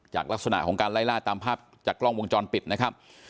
ลักษณะของการไล่ล่าตามภาพจากกล้องวงจรปิดนะครับ